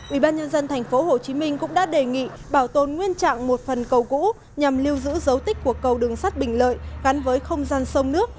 ubnd tp hcm cũng đã đề nghị bảo tồn nguyên trạng một phần cầu cũ nhằm lưu giữ dấu tích của cầu đường sắt bình lợi gắn với không gian sông nước